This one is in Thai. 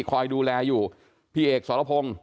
คอยดูแลอยู่พี่เอกสรพงศ์